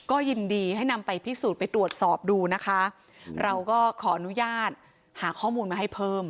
ก็ยินดีให้นำไปพิสูจน์ไปตรวจสอบดูนะคะเราก็ขออนุญาตหาข้อมูลมาให้เพิ่ม